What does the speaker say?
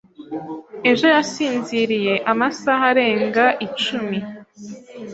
Ejo yasinziriye amasaha arenga icumi.